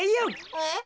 えっ？